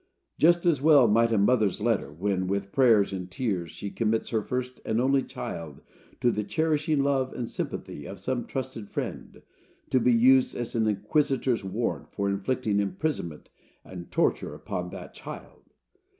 Just as well might a mother's letter, when, with prayers and tears, she commits her first and only child to the cherishing love and sympathy of some trusted friend, be used as an inquisitor's warrant for inflicting imprisonment and torture upon that child.